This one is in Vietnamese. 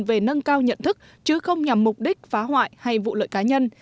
về nâng cao nhận thức chứ không nhằm mục đích phá hoại hay vụ lợi cá nhân